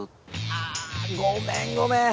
ああごめんごめん！